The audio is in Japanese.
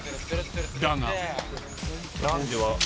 ［だが］